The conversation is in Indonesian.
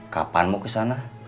kapan mau kesana